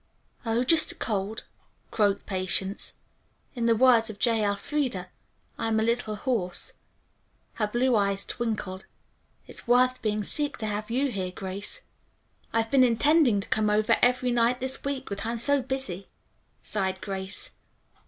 "Oh, just a cold," croaked Patience. "In the words of J. Elfreda, 'I'm a little horse.'" Her blue eyes twinkled. "It's worth being sick to have you here, Grace." "I've been intending to come over every night this week, but I'm so busy," sighed Grace.